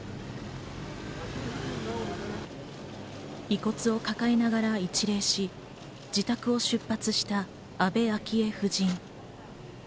遺骨を抱えながら一礼し、自宅を出発した安倍昭恵夫人。